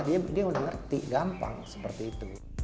dia udah ngerti gampang seperti itu